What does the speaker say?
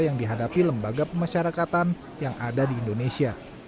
yang dihadapi lembaga pemasyarakatan yang ada di indonesia